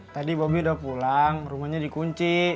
tadi bobi udah pulang rumahnya dikunci